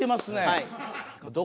はい！